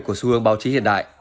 của xu hướng báo chí hiện đại